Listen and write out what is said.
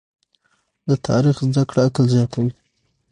د تاریخ زده کړه عقل زیاتوي.